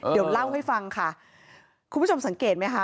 เดี๋ยวเล่าให้ฟังค่ะคุณผู้ชมสังเกตไหมคะ